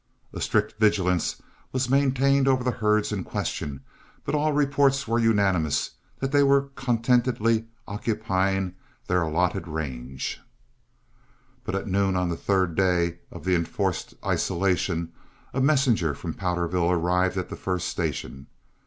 A strict vigilance was maintained over the herds in question, but all reports were unanimous that they were contentedly occupying their allotted range. But at noon on the third day of the enforced isolation, a messenger from Powderville arrived at the first station.